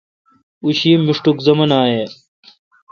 اں شی مشٹوک زُمان اے°۔